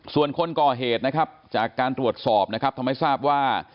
ส่วนคนก่อเหตุนะครับจากการตรวจสอบนะครับทำให้ทราบว่า